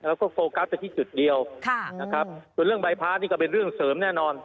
โฟกัสไปที่จุดเดียวนะครับส่วนเรื่องใบพระนี่ก็เป็นเรื่องเสริมแน่นอน